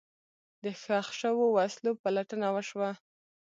د ښخ شوو وسلو پلټنه وشوه.